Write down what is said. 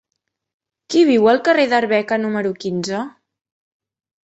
Qui viu al carrer d'Arbeca número quinze?